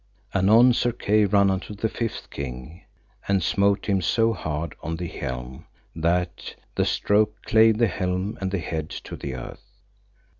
Anon Sir Kay ran unto the fifth king, and smote him so hard on the helm that the stroke clave the helm and the head to the earth.